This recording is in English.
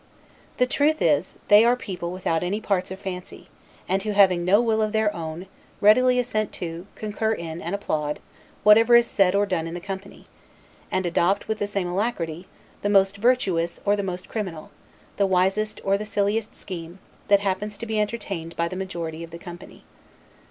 The truth is, they are people without any parts or fancy, and who, having no will of their own, readily assent to, concur in, and applaud, whatever is said or done in the company; and adopt, with the same alacrity, the most virtuous or the most criminal, the wisest or the silliest scheme, that happens to be entertained by the majority of the company.